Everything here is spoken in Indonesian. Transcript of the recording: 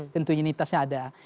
tentu unitasnya ada